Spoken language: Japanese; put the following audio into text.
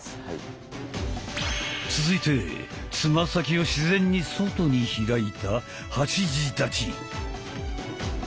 続いてつま先を自然に外に開いた「八字立ち」。